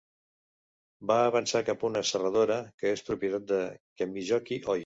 Van avançar cap a una serradora que era propietat de Kemijoki Oy.